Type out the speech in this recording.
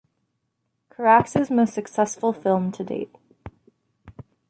Carax's most successful film to date.